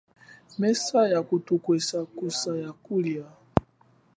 Mesa ya kutukwasa kusa ya kulia.